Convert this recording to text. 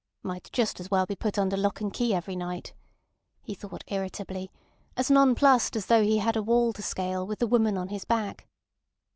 "Might just as well be put under lock and key every night," he thought irritably, as nonplussed as though he had a wall to scale with the woman on his back.